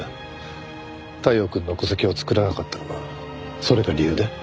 太陽くんの戸籍を作らなかったのはそれが理由で？